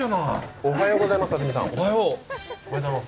おはようございます、安住さん。